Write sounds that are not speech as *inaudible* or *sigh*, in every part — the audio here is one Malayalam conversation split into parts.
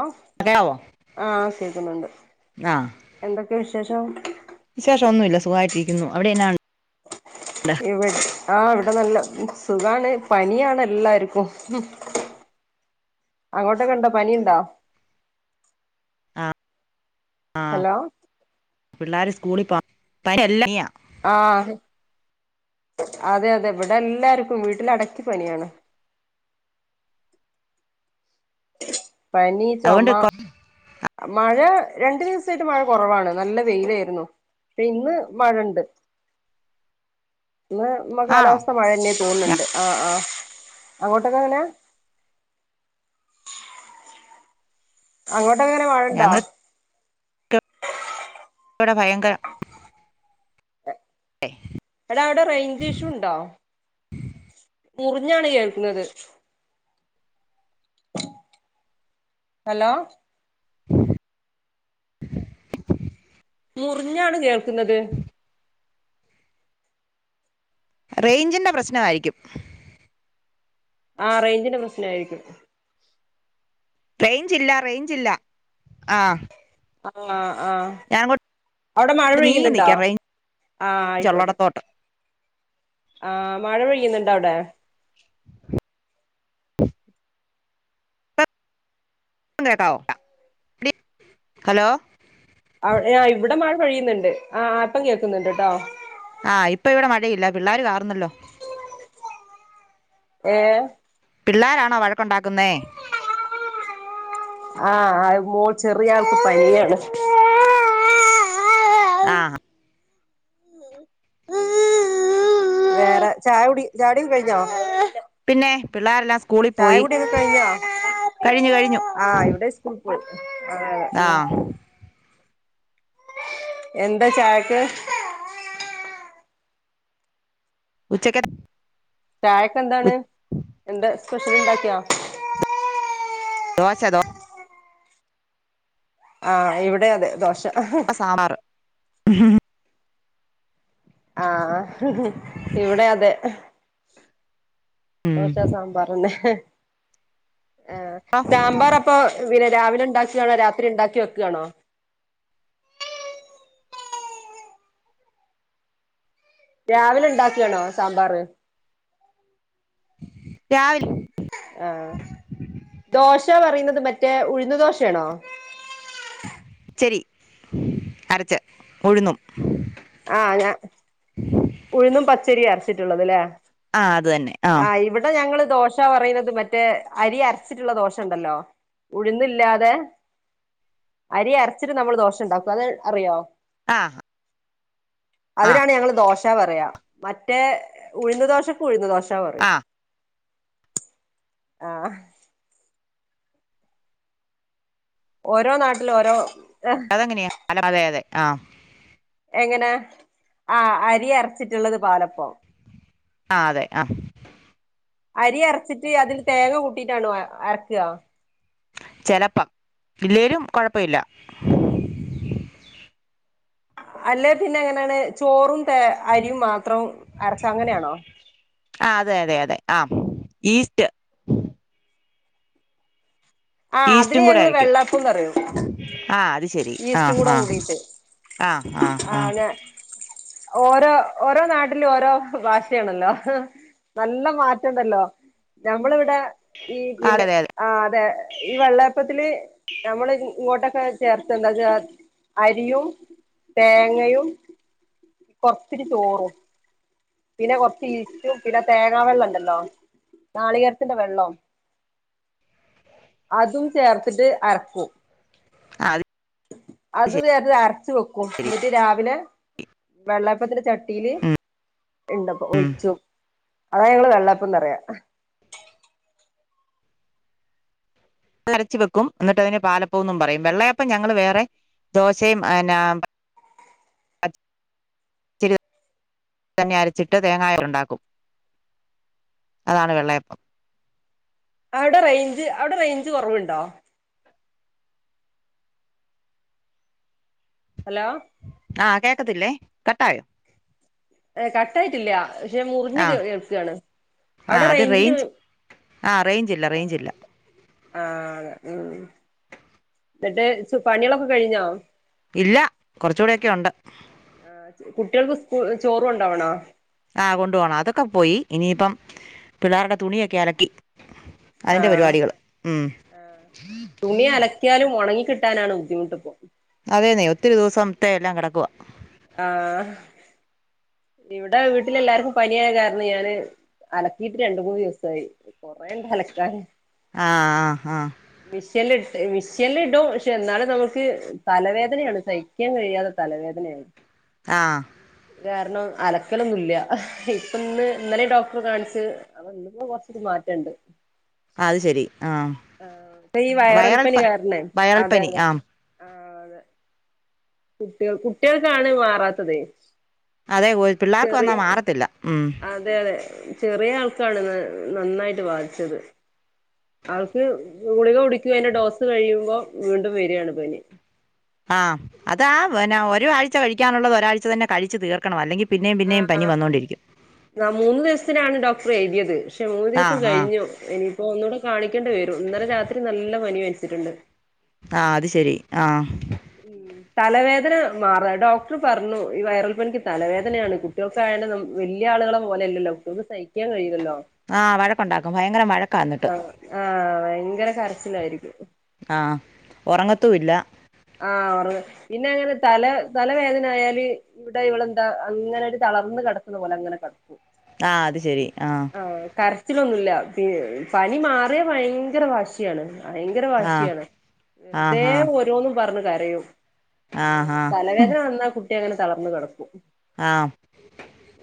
ആഹ കേക്കാവോ ആഹ് കേൾക്കിന്നിണ്ട് ആഹ് എന്തൊക്കെ വിശേഷം വിശേഷം ഒന്നുല്ല സുഖമായിട്ടിരിക്കുന്നു അവിടെ എന്നായുണ്ട് ഇവിട് ആഹ് ഇവിടെ നല്ല സുഖാണ് പനിയാണ് എല്ലാർക്കും അങ്ങോട്ടൊക്കെ ഇണ്ടോ പനിണ്ടോ ആഹ്‌ ഹലോ പിള്ളേര് സ്കൂളിൽ പാ *inaudible* പനിയാ ആഹ്‌ അതെ അതെ ഇവിടെ എല്ലാർക്കും വീട്ടിലടക്കി പനിയാണ് പനി ചൊമ അതുകൊണ്ട് കൊ മഴ രണ്ട് ദിവസായിട്ട് മഴ കൊറവാണ് നല്ല വെയിലേയിരുന്നു ഇന്ന് മഴ ഇണ്ട് ഇന്ന് ആണോ മകാലാവസ്ഥ മഴ എന്നെ തോന്നി ഞ ണിണ്ട് ആഹ ആഹ അങ്ങോട്ടൊക്കെ എങ്ങനെ അങ്ങോട്ടൊക്കെ എങ്ങനെ മഴ ഇണ്ടോ ഞങ്ങൾക്ക് ഇവിടെ ഭയങ്കര *unintelligible* എടാ അവിടെ റേഞ്ച് ഇഷ്യു ഇണ്ടോ മുറിഞ്ഞാണ് കേൾക്കിന്നത് ഹലോ *unintelligible* മുറിഞ്ഞാണ് കേൾക്കിന്നത് റേഞ്ചിന്റെ പ്രശ്നായിരിക്കും ആഹ റേഞ്ചിന്റെ പ്രശ്നായിരിക്കും റേഞ്ച് ഇല്ല റേഞ്ച് ഇല്ല ആഹ്‌ ആഹ്‌ ആഹ്‌ അവ്ടെ മഴ നീങ്ങി പെയ്യിന്നിണ്ടോ നിക്കാം റേഞ്ച് ആഹ്‌ അയ്ക്കോട്ടെ ഉള്ളടത്തോട്ട് ആഹ്‌ മഴ പെയ്യിന്നിണ്ടോ അവിടെ *inaudible* *unintelligible* പ്പം കേക്കാവോ *unintelligible* ഹലോ അവ് യേ ഇവിട മഴ പെയ്യിന്നിണ്ട് ആഹ്‌ ആഹ് ഇപ്പം കേക്ക്‌ന്ന്ണ്ട്ട്ടോ ആഹ് ഇപ്പ ഇവിടെ മഴയില്ല പിള്ളേർ കാറുന്നല്ലോ ഏ പിള്ളേരാണോ വഴക്കുണ്ടാക്കുന്നേ ആഹ് അഹ് മോ ചെറിയ ആൾക്ക് പനിയാണ് ആഹ് വേറെ ചായകുടി ചായുടി ഒക്കെ കഴിഞ്ഞോ പിന്നെ പിള്ളേരെല്ലാം സ്കൂളിൽ ചായ പോയി കുടിയൊക്കെ കഴിഞ്ഞോ കഴിഞ്ഞു കഴിഞ്ഞു ആഹ് ഇവിടെ സ്കൂൾ പോയി ആഹ് ഉം എന്താ ചായക്ക് ഉച്ചക്ക ചായക്കെന്താണ് എന്റെ സ്പെഷ്യൽ ണ്ടാക്ക്യാ ദോശ ദോ ആഹ് ഇവിടേം അതെ ദോശ വ്ടെ സാമ്പാർ ആഹ് ഇവിടേ അതെ ദോശേം സാമ്പാറെന്നെ ആഹ് ഉം സാമ്പാറ് അ ഇപ്പൊ പിന്നെ രാവിലെണ്ടാക്കാണോ രാത്രി ഇണ്ടാക്കി വെക്കാണോ രാവിലെ ഇണ്ടാക്കാണോ സാമ്പാറ് രാവിലെ ആഹ് ദോശ പറയുന്നത് മറ്റേ ഉഴ്ന്ന് ദോശേണോ ച്ചരി അരച്ച് ഉഴുന്നും ആഹ് ഞ ഉഴുന്നും പച്ചരി അരച്ചിട്ട്ള്ളത് ലേ ആഹ് അത് തന്നെ ആഹ് ടെ ഞങ്ങള് ദോശ പറയുന്നത് മറ്റേ അരി അരച്ചിട്ടുള്ള ദോശണ്ടല്ലോ ഉഴുന്നില്ലാതെ അരി അരച്ചിട്ട് നമ്മള് ദോശണ്ടാക്കും അത് അറിയോ ആഹ് അതിനാണ് ഞങ്ങള് ദോശ പറയാ മറ്റേ ഉഴുന്ന ദോശക്ക് ഉഴുന്ന് ദോശ പറ ആ ആഹ് ഓരോ നാട്ടിലോരോ അഹ് അതെങ്ങനെയാ അതെ അതെ ആഹ് എങ്ങനെ ആഹ് അരി അരച്ചിട്ട്ള്ളത് പാലപ്പം ആഹ് അതെ ആഹ് അരി അരച്ചിട്ട് അതില് തേങ്ങ കൂട്ടിയിട്ടാണോ അരക്കാ ചെലപ്പം ഇല്ലേലും കൊഴപ്പവില്ല അല്ലേ പിന്നെ എങ്ങനെയാണ് ചോറും ത അരിയും മാത്രം അരച്ച അങ്ങനെയാണോ ആഹ് അതെ അതെ അതെ ആഹ് ഈസ്റ്റ് ആഹ് അതിന് ഈസ്റ്റും കൂടെ ഞങ്ങള് അരക്കും വെള്ളപ്പം പറയും ആഹ് അത് ശരി ഈസ്റ്റും ആഹ് ആഹ് ആഹ് ആഹ് ആഹ് അനെ ഓരോ ഓരോ നാട്ടിലും ഓരോ ഭാഷയാണല്ലോ നല്ല മാറ്റംണ്ടല്ലോ ഞമ്മളിവിടെ ഈ അതെ പിന്നെ അതെ ആഹ് അതെ ഈ വെള്ളയപ്പത്തില് നമ്മള് ഇങ്ങോട്ടൊക്കെ ചേർക്കാ എന്താച്ചാ അരിയും തേങ്ങയും കൊർ ത്തിരി ചോറും പിന്നെ കൊറച്ച് ഈസ്റ്റും പിന്നെ തേങ്ങ വെള്ളം ഉണ്ടല്ലോ നാളികേരത്തിന്റെ വെള്ളം അതും ചേർത്തിട്ട് അരക്കും അത അത് നേർത്തെ അരച്ച് വെക്കും ശരി എന്നിട്ട് രാവിലെ വെള്ളാപ്പത്തില ചട്ടിയില് ഉം ഉണ്ടപ്പൊ ഉം ഒഴിച്ചും അതാ ഞങ്ങള് വെള്ളപ്പന്ന്റയാ അരച്ച് വെക്കും എന്നിട്ട് അതിന് പാലപ്പന്നും പറയും വെള്ളയപ്പം ഞങ്ങള്ൾ വേറെ ദോശയുംന്ന പച്ചരി തന്നെ അരച്ചിട്ട് തേങ്ങായിൽ ഉണ്ടാക്കും അതാണ് വെള്ളയപ്പം. അവിടെ റേഞ്ച് അവിടെ റേഞ്ച് കുറവുണ്ടോ. ഹലോ ആഹ് കേക്കത്തില്ലേ കട്ടായോ. കട്ടാആയിട്ടില്ല പക്ഷെ മുറിഞ്ഞഞ് ആഹ് കേൾക്കാണ് അവിടെ റേഞ്ച് ന്ന് ആ റേഞ്ചില്ല റേഞ്ചില്ല. ആഹ് ഉം എന്നിട്ട് പണികളൊക്കെ കഴിഞ്ഞോ. ഇല്ല കുറച്ചുകൂടെക്കെ ഉണ്ട്. ആഹ് കുട്ടികൾക്ക് സ്കു ചോറ് കൊണ്ടുപോവണോ. ആഹ് കൊണ്ട പോണം അതൊക്കെ പോയി ഇനിയിപ്പം പിള്ളേരുടെ തുണിയൊക്കെ അലക്കി. അതിൻ്റെ ആഹ് പരിപാടികൾ ഉം. തുണി ഉണങ്ങി കിട്ടാനാണ് ബുദ്ധിമുട്ട്പ്പം. അതെ അതെ ഒത്തിരി ദിവസത്തെ എല്ലാം കിടക്കുവ. ആഹ് ഇവിടെ വീട്ടില എല്ലാർക്കും പനിയായ കാരണം ഞാന് അലക്കീയിട്ട് രണ്ട് മൂന്ന് ദിവസായി. കുറേണ്ട് അലക്കാൻ. ആഹ് ആഹ് ആഹ് വിഷ്യല്ല ഇ വിഷ്യല്ല ഇടും പക്ഷെ എന്നാലും നമുക്ക്. തലവേദനയാണ് സഹിക്കാൻ കഴിയാത്ത തലവേദനയരുന്നു. ആഹ് കാരണം അലക്കലൊന്നുംല്ല ഇപ്പ ഇന്ന് ഇന്നലെ ഡോക്ടർ കാണിച്ച്. ഇന്നിപ്പം കൊറച് ഒരു മാറ്റണ്ട്. അഅ് ശരി ആഹ് ആ ഇപ്പം ഈ വയറൽ വയറൽപനി പ കാരണേ വയറൽ അതെ പനി അതെ. ആഹ് ആഹ് അതെ കുട്ടികൾ കുട്ടികൾക്കാണ് മാറാത്തത്. അതെ പിള്ളേർക്ക് വന്നാ മാറത്തില്ല ഉം. അതെ അതെ ചെറിയ ആൾക്കാണ് നന്നായിട്ട് വാധിച്ചത്. ആൾക്ക് ഗുളിക കൊടുക്ക അതിന്റെ ഡോസ് കഴിയുമ്പോ വീണ്ടും വരികയാണ് പനി. ആഹ് അതാ ഒരാഴ്ച കഴിക്കാനുള്ളത് ഒരാഴ്ച തന്നെ കഴിച്ചു തീർക്ക. ക്കണം അല്ലെങ്കിൽ പിന്നെയും പിന്നെയും പനി ആഹ് വന്നോണ്ടിരിക്കും. മൂന്ന് ദിവസത്തിനാണ് ഡോക്ടറെ എഴുയത് പക്ഷെ മൂന്ന് ദിവസം ആഹ് ആഹ് കഴിഞ്ഞു ഇനി. ഇപ്പൊ ഒന്നു കൂടെ കാണിക്കേണ്ടി വരും ഇന്നലെ രാത്രി നല്ല പനി വച്ചിട്ടുണ്ട്. ആഹ് അത് ശെരി ആഹ് ഉ തലവേദന മാറ ഡോക്ടർ പറഞ്ഞു ഈ വൈറൽ പനിക്ക് തലവേദനയാണ് കുട്ടികൾക്ക്. വലിയ ആളുകളെ പോലെയല്ലല്ലോ സഹിക്കാൻ കഴയില്ലല്ലോ. ആഹ് വഴക്കുണ്ടാക്കും ഭയങ്കര വഴക്കാ എന്നിട്ട് ആ ആഹ് ഭയങ്കര കരച്ചിലായിരിക്കും. ആഹ് ഉറങ്ങത്തൂ ഇല്ല. ആഹ് ഉറവ് പിന്നെ അങ്ങനെ തല തലവേദന ആയാല്. ഇവിടെ ഇവെലെന്താ അങ്ങനെ ഒരു തളർന്ന് കിടക്കുന്ന പോലെ അങ്ങനെ കിടക്കും. ആഹ അത് ശരി ആഹ. ആ കരച്ചിലൊന്നുമില്ല പനി മാറിയ ഭയങ്കര വാശിയാണ് ഭയങ്കര ആ വാശിയാണ് ആ വെറുതെ ഹാ ഓരോന്നും പറഞ്ഞ് കരയും. ആ ഹാ തലവേദന വന്നാ കുട്ടി അങ്ങനെ തളർന്നു കിടക്കും. ആഹ്.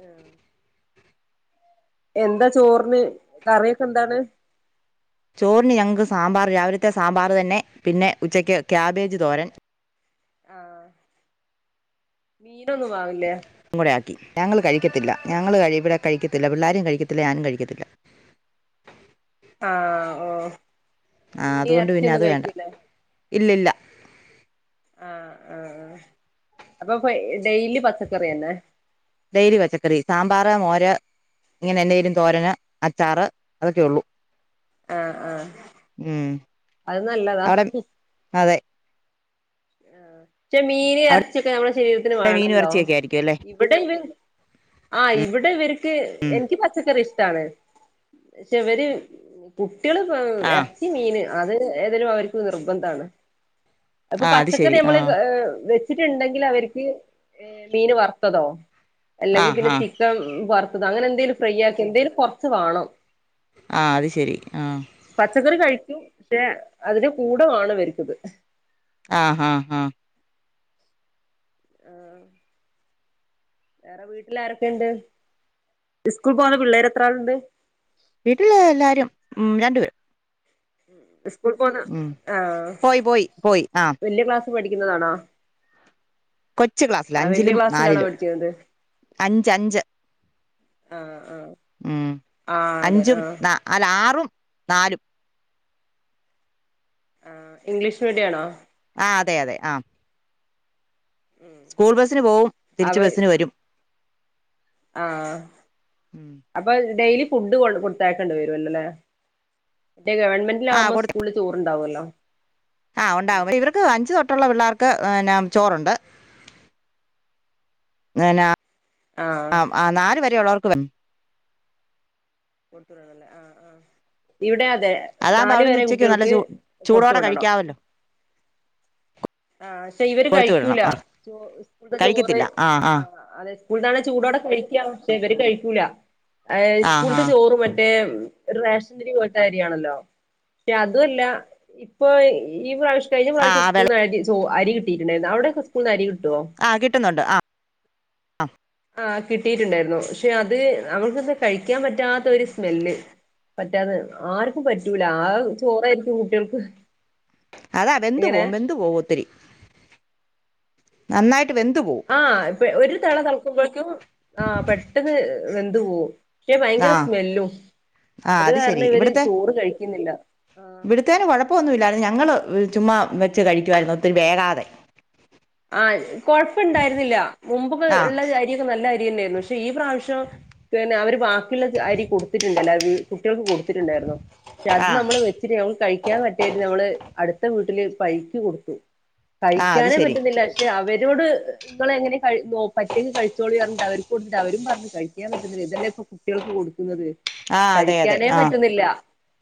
ആഹ്. എന്താ ചോറിന് കറിയൊക്കെ എന്താണ്. ചോറിന് ഞങ്ങൾക്ക് സാമ്പാർ രാവിലത്തെ സാമ്പാർ തന്നെ പിന്നെ ഉച്ചയ്ക്ക് ക്യാബേജ് തോരൻ. ആഹ മീനൊന്നും വാങ്ങിയില്ലേ. കൂടെ ആക്കി ഞങ്ങൾ കഴിക്കത്തില്ല ഞങ്ങൾ ഇവിടെ കഴിക്കത്തില്ല പിള്ളാരും കഴിക്കത്തില്ല ഞാനും കഴിക്കത്തില്ല. ആഹ ഓ ആ മീനു അതുകൊണ്ട് പിന്നെ ഇറച്ചിയൊന്നും അത് വേണ്ട കഴിക്കില്ലേ. ഇല്ലില്ല ആ ആഹ് ആ അപ്പൊ ഡെയിലി പച്ചക്കറിത്തന്നെ ഡെയിലി പച്ചക്കറി സാമ്പാർ മോര് ഇങ്ങനെ എന്തെങ്കിലും തോരന് അച്ചാറ് അതൊക്കെ ഉള്ളൂ ആഹ് ആഹ് ഉം അത് നല്ലതാ അവിടെ അതെ ആ പക്ഷെ മീന് അവിടെ ഇറച്ചിയൊക്കെ നമ്മുടെ ശരീരത്തിന് മീനും വേണല്ലോ ഇറച്ചിയൊക്കെ ആയിരിക്കും അല്ലേ ഇവിടെ ഇവ ആ ഇവിടെ ഇവർക്ക് ഉം എനിക്ക് പച്ചക്കറി ഇഷ്ടാണ് പക്ഷേ ഇവര് കുട്ടികള് ആ ഇറച്ചി മീന് അത് ഏതെലും അവർക്ക് നിർബന്ധാണ് ആ അത് ശരി ആ വെച്ചിട്ടുണ്ടെങ്കിൽ അവർക്ക് മീൻ വറുത്തതോ ആ അല്ലെങ്കിൽ പിന്നെ ആ ചിക്കൻ വറുത്തത് അങ്ങനെ എന്തെലും ഫ്രൈ ആക്കി എന്തെിലും കുറച്ച് വേണം ആ അത് ശരി ആ പച്ചക്കറി കഴിക്കും പക്ഷെ അതിന്റെ കൂട വാണം ഇവർക്ക് ഇത് ആഹ് ആഹ് ആഹ ആഹ് വേറെ വീട്ടിൽ ആരൊക്കെയുണ്ട് സ്കൂൾ പോവുന്ന പിള്ളേര് എത്ര ആൾണ്ട്? വീട്ടില് എല്ലാരും ഉം രണ്ടുപേരും സ്കൂൾ പോന്ന ഉം ആഹ് പോയി പോയി പോയി ആഹ് വല്യ ക്ലാസ് പഠിക്കുന്നതാണോ കൊച്ച് ക്ലാസ്സില ആ വല്യ അഞ്ചിലും ക്ലാസ്സിലാണോ നാലിലും പഠിക്കുന്നത് അഞ്ചഞ്ച് ആഹ് ആഹ് ഉം ആഹ് അതെ അഞ്ചും ആഹ് ന അല്ല ആറും നാലും ആ ഇംഗ്ലീഷ് മീഡിയം ആണോ ആ അതെ അതെ ആ സ്കൂൾ ബസ്സിന് പോവും അവ തിരിച്ച് ബസ്സിന് വരും ആഹ് ഉം അപ്പൊ ഡെയിലി ഫുഡ് കൊടുത്താക്കേണ്ടി വരുല്ലോല്ലേ പക്ഷേ ഗവൺമെന്റ് ആഹ് ആകുമ്പോ സ്കൂളിൽ ചോറ്ണ്ടാവല്ലോ ആ ഉണ്ടാവും ഇവർക്ക് അഞ്ച് തൊട്ടുള്ള പിള്ളേർക്ക് ചോറുണ്ട് ആഹ് ആ ആ നാല് വരെയുള്ളവർക്ക് വ- ഇവിടെ അതെ അതാകുമ്പോ നാല് അവിടുന്ന് വരെ ഉച്ചക്ക് നല്ല കുട്ടികൾക്ക് ചൂ കൊടുത്തു ചൂടോടെ വിടണം കഴിക്കാവല്ലോ ആഹ്പക്ഷെ ഇവര് കൊടുത്തു വിടണം കഴിക്കൂല ചോ സ്കൂൾത്തെ ചോറ് കഴിക്കത്തില്ല ആഹ് ആ ആഹ് അതെ സ്കൂളിൽന്നാണ് ചൂടോടെ കഴിക്കാം പക്ഷേ ഇവര് കഴിക്കൂല അത് ആഹ് സ്കൂൾത്തെ ആഹ് ചോറും മറ്റേ റേഷനരി പോയിട്ട അരിയാണല്ലോ *unintelligible* അതുല്ല ഇപ്പൊ ഈ പ്രാവശ്യം കഴിഞ്ഞ പ്രാവശ്യം ആഹ് വെള സ്കൂന്ന് അരി ചോ അരി കിട്ടിട്ടുണ്ടായിരുന്നു അവ്ടെ സ്കൂൾന്ന് അരി കിട്ടോ ആ കിട്ടുന്നുണ്ട് ആ ആ കിട്ടിയിട്ടുണ്ടായിരുന്നു പക്ഷെ അത് നമ്മുക്ക്ന്നും കഴിക്കാൻ പറ്റാത്ത ഒരു സ്മെല്ല് പറ്റാതെ ആർക്കും പറ്റൂല ആ ചോറായിരിക്കും കുട്ടികൾക്ക് അതാ വെന്ത് എങ്ങനെ പോവും വെന്ത് പോവും ഒത്തിരി നന്നായിട്ട് വെന്ത് പോവും ആ ഇപ്പ ഒരു തള തൾക്കുമ്പോഴക്കും ആ പെട്ടെന്ന് വെന്ത് പോവും പക്ഷെ ആ ഭയങ്കര സ്മെല്ലും ആ അത് ശരി കാരണം ഇവര് ഇവിടുത്തെ ചോറ് കഴിക്കുന്നില്ല ആഹ് ഇവിടുത്തേന് കുഴപ്പൊന്നുല്ലായിരുന്നു ഞങ്ങൾ ചുമ്മാ വെച്ച് കഴിക്കുവായിരുന്നു ഒത്തിരി വേഗാതെ ആ കൊഴപ്പ ഇണ്ടായിരുന്നില്ല മുമ്പൊക്കെ ആ ഉള്ള ഇത് നല്ല അരി തന്നെയായിരുന്നു പക്ഷെ ഈ പ്രാവശ്യം പിന്നെ അവര് ബാക്കിയുള്ള അരി കൊടുത്തിട്ടുണ്ടല്ലോ കുട്ടികൾക്ക് കൊടുത്തിട്ടുണ്ടായിരുന്നോ പക്ഷെ അത് ആ നമ്മള് വെച്ചിട്ട് നമ്മ കഴിക്കാൻ പറ്റായ്ട്ട് നമ്മള് അടുത്ത വീട്ടില് പൈക്ക് കൊടുത്തു ആ അത് കഴിക്കാനേ ശരി പറ്റുന്നില്ല പക്ഷെ അവരോട് നിങ്ങളെ എങ്ങനെ കഴിച്ചോ പറ്റേങ്കി കഴിച്ചോളി അർഞ്ഞിട്ട് അവർക്ക് കൊടുത്ത്ട്ട് അവരും പറഞ്ഞ് കഴിക്കാൻ പറ്റുന്നില്ല ഇതല്ലേ ഇപ്പൊ ട്ടിയാൾക് കൊടുക്കുന്നത് ആ അതെ അതെ കഴിക്കാനേ ആ പറ്റുന്നില്ല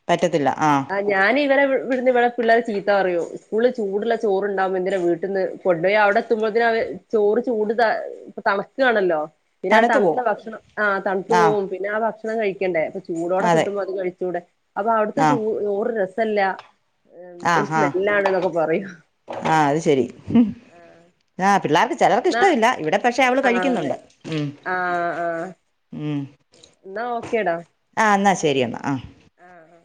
പറ്റത്തില്ല ആ അ ഞാനിവരെ വിടു വിടുന്ന് ഇവിടെ പിള്ളേരെ ചീത്ത പറയും സ്കൂളിൽ ചൂടുള്ള ചോറുണ്ടാവുമ്പോ എന്തിനാ വീട്ടിന്ന് കൊണ്ടോയി അവിടെ എത്തുമ്പോഴ്ത്തിന് അവ ചോറ് ചൂട് ത തണ്ക്കാണല്ലോ പിന്നാ തണുത്ത് തണുത്ത പോവും ഭക്ഷണം ആഹ് തണുത്തു ആ പോവും പിന്നാ ഭക്ഷണം കഴിക്കണ്ടേ പ്പൊ ചൂടോടെ അതെ കിട്ടുമ്പോ അത് കഴിച്ചൂടെ അപ്പൊ അവിട്ത്തെ ആ ചൂ ചോറ് രസല്ല ഒരു സ്മെല്ലാണ്ന്നൊക്കെ പറയും ആഹ് അത് ശരി ആഹ് പിള്ളാർ എന്നാ ചെലർക്കിഷ്ടമില്ല ഇവിടെ പക്ഷെ അവള് ആഹ് അതെ കഴിക്കുന്നുണ്ട് ഉം ഉം ന്നാ ഓക്കേടാ ആഹ് എന്നാ ശരിയെന്നാ ആഹ് ആഹ്